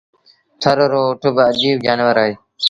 ٿر رو اُٺ با اَجيب جآنور اهي۔